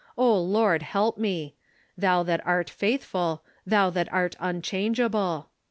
O Lord, help me ! Thou that art faithful, thou that art unchangeable